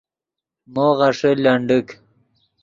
مو غیݰے لنڈیک